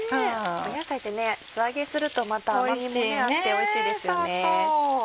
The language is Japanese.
野菜って素揚げするとまた甘みもあっておいしいですよね。